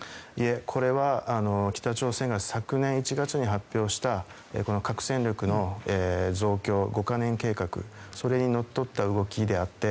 これは、北朝鮮が昨年１月に発表した核戦力の増強５か年計画それにのっとった動きであって。